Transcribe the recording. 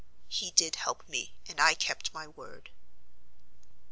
He did help me, and I kept my word."